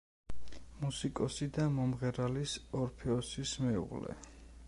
მუსიკოსი და მომღერალის ორფეოსის მეუღლე.